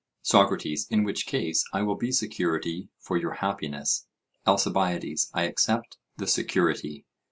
SOCRATES: In which case, I will be security for your happiness. ALCIBIADES: I accept the security.